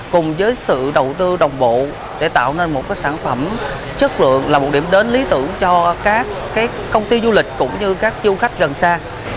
cùng với sự đầu tư đồng bộ để tạo nên một sản phẩm chất lượng là một điểm đến lý tưởng cho các công ty du lịch cũng như các du khách gần xa